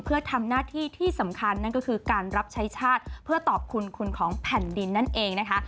เพื่อทำหน้าที่ที่สำคัญนั่นก็คือการรับใช้ชาติเพื่อตอบคุณคุณของแผ่นดินนั่นเองนะคะ